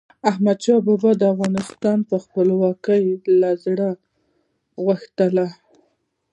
احمدشاه بابا به د افغانستان خپلواکي له زړه غوښتله.